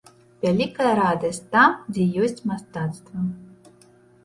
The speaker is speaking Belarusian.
Вялікая радасць там, дзе ёсць мастацтва.